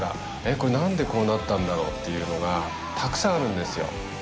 これ何でこうなったんだろうっていうのがたくさんあるんですよ